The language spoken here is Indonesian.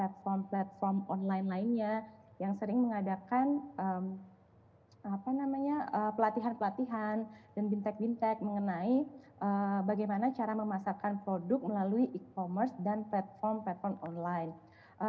dan juga platform platform online lainnya yang sering mengadakan pelatihan pelatihan dan bintang bintang mengenai bagaimana cara memasarkan produk melalui e commerce dan platform platform online